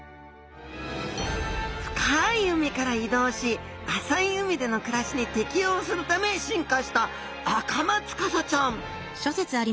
深い海から移動し浅い海での暮らしに適応するため進化したアカマツカサちゃん